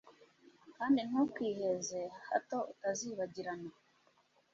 kandi ntukiheze, hato utazibagirana